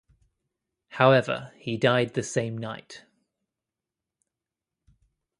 However, he died the same night.